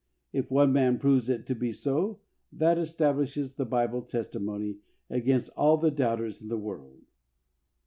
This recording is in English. If one man proves it to be so, that establishes the Bible testimony against all the doubters in the world.